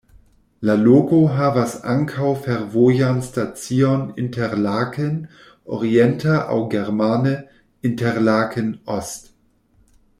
La loko havas ankaŭ fervojan stacion Interlaken orienta aŭ germane "Interlaken Ost.